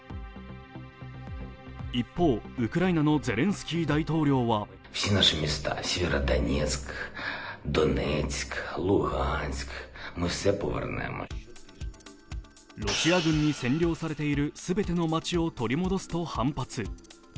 一方、ウクライナのゼレンスキー大統領はロシア軍に占領されている全ての街を取り戻すと反発。